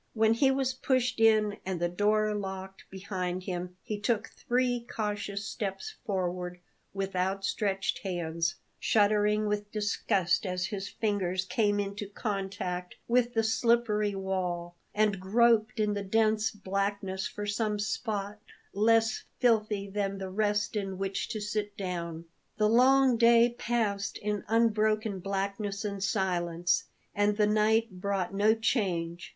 When he was pushed in and the door locked behind him he took three cautious steps forward with outstretched hands, shuddering with disgust as his fingers came into contact with the slippery wall, and groped in the dense blackness for some spot less filthy than the rest in which to sit down. The long day passed in unbroken blackness and silence, and the night brought no change.